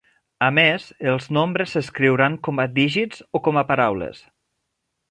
A més, els nombres s'escriuran com a dígits o com a paraules?